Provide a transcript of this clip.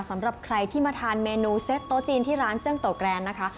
สำหรับใครที่มาทานเมนูเซ็ตโต๊ะจีนที่ร้านเจิ้งโตแกรนนะคะ